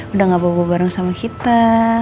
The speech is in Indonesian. udah gak bawa bawa bareng sama kita